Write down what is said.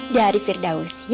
di firdaus ya